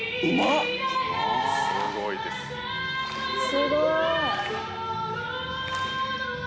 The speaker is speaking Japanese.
すごい！